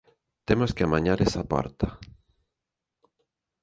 Temos que amañar esa porta.